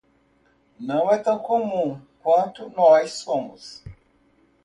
Não é tão comum quanto nós somos